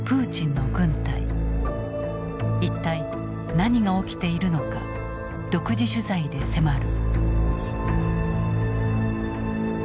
一体何が起きているのか独自取材で迫る。